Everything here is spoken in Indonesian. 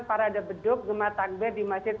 paradebeduk gemah takbir di masjid